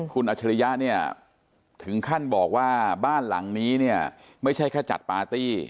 คุณอัจฉริยะเนี่ยถึงขั้นบอกว่าบ้านหลังนี้เนี่ยไม่ใช่แค่จัดปาร์ตี้